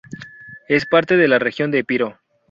Es parte de la región de Epiro.